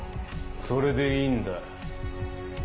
それでいいんだ。